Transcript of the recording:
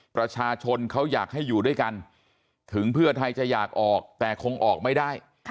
ประชาชนเขาอยากให้อยู่ด้วยกันถึงเพื่อไทยจะอยากออกแต่คงออกไม่ได้